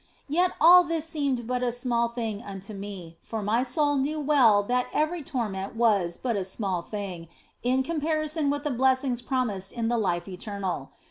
Yet all this seemed but a small thing unto me, for my soul knew well that every torment was but a small thing in comparison with the blessings promised in the life eternal.